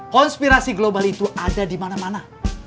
konspirasi global itu ada di mana mana